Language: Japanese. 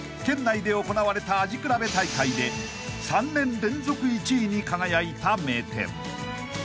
［県内で行われた味比べ大会で３年連続１位に輝いた名店］